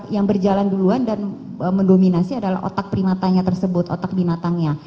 yang berjalan duluan dan mendominasi adalah otak primatanya tersebut otak binatangnya